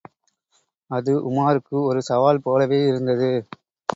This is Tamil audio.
அது உமாருக்கு ஒரு சவால் போலவே இருந்தது!